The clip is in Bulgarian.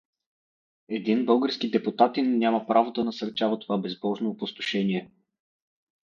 Един български депутатин няма право да насърчава това безбожно опустошение.